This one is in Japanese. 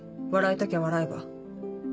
いたきゃ笑えば。